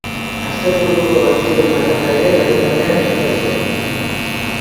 Asteburuko albiste on bakarra ere larunbatean etorri zen.